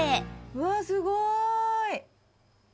うわあすごい！